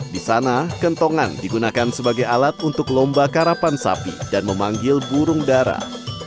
di sana kentongan digunakan sebagai alat untuk lomba karapan sapi dan memanggil burung darah